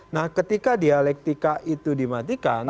nah ketika dialektika itu dimatikan